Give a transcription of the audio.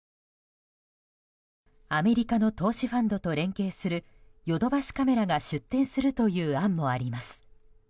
アメリカの投資ファンドと連携するヨドバシカメラが出店するという案もあります。